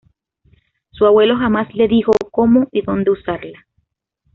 Su abuelo jamás le dijo cómo y dónde usarla.